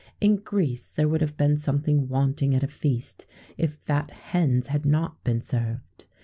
In Greece there would have been something wanting at a feast, if fat hens had not been served.